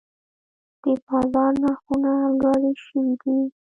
د بازار نرخونه لوړې شوي دي.